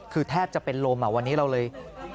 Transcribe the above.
คือแทบจะเป็นลมวันนี้เราเลย